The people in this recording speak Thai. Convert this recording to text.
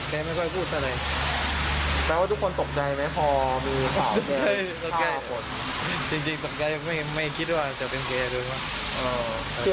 ไม่ค่อยพูดอะไรแปลว่าทุกคนตกใจไหมพอมีข่าวจริงแกยังไม่คิดว่าจะเป็นแกด้วยครับ